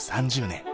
３０年